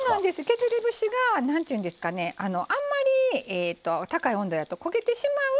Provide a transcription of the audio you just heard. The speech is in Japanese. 削り節が何ていうんですかねあんまり高い温度やと焦げてしまう。